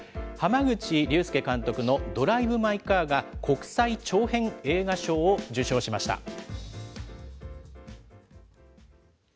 濱口竜介監督のドライブ・マイ・カーが国際長編映画賞を受賞しました。